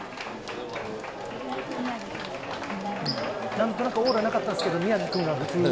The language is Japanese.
なんとなくオーラなかったですけど、宮城君が普通に。